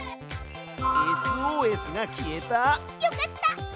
ＳＯＳが消えた！よかった！